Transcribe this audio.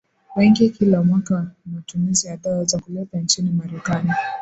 wengi Kila mwaka matumizi ya dawa za kulevya nchini Marekani